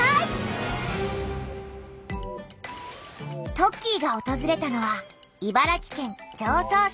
トッキーがおとずれたのは茨城県常総市。